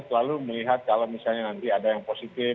selalu melihat kalau misalnya nanti ada yang positif